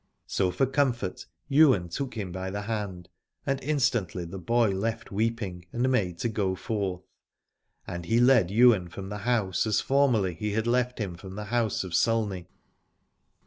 So for comfort Ywain took him by the hand: and instantly the boy left weeping, and made to go forth, and he led Ywain from the house as formerly he had led him from the house of Sulney.